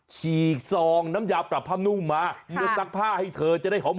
ฉีกซองน้ำยาปรับผ้านุ่มมาเพื่อซักผ้าให้เธอจะได้หอม